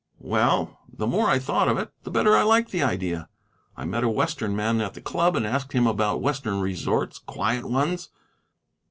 "Well, the more I thought of it, the better I liked the idea. I met a western man at the club and asked him about western resorts, quiet ones.